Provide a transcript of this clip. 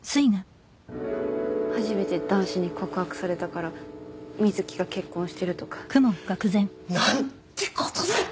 初めて男子に告白されたから瑞貴が結婚してるとかなんてことだ！